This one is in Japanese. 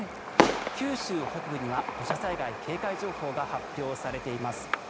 九州北部には土砂災害警戒情報が発表されています。